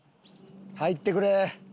入ってくれ。